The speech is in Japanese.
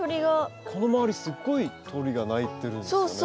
この周りすごい鳥が鳴いてるんですよね。